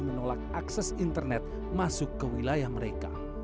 menolak akses internet masuk ke wilayah mereka